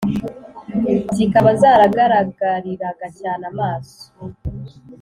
zikaba zaragaragariraga cyane amaso